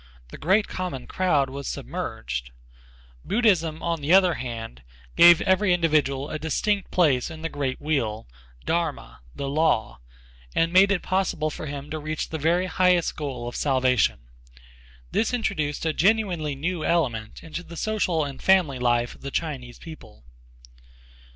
The great common crowd was submerged. Buddhism, on the other hand, gave every individual a distinct place in the great wheel dharma, the law, and made it possible for him to reach the very highest goal of salvation. This introduced a genuinely new element into the social and family life of the Chinese people.